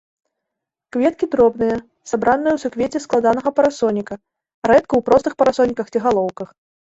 Кветкі дробныя, сабраныя ў суквецці складанага парасоніка, рэдка ў простых парасоніках ці галоўках.